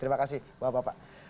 terima kasih bapak bapak